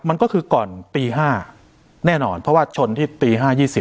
มันก็คือก่อนตี๕แน่นอนเพราะว่าชนที่ตี๕๒๐